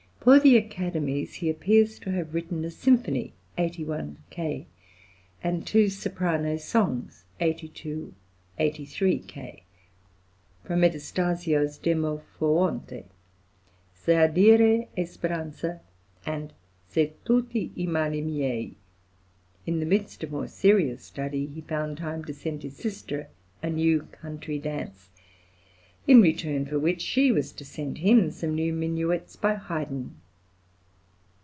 For the Academies he appears to have written a Symphony (81, K.) and two soprano songs (82, 83, K.)from Metastasio's "Demo foonte," "Se ardire e speranfca" and "Se tutti i mali miei." In the midst of more serious study he found time to send his sister a new country dance, in return for which she was to send him some new minuets by Haydn.